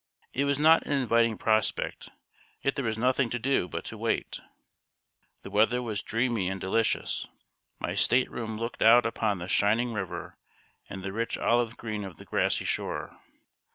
It was not an inviting prospect; yet there was nothing to do but to wait. The weather was dreamy and delicious. My state room looked out upon the shining river, and the rich olive green of the grassy shore.